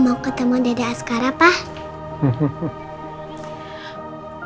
mau ketemu dede askara pak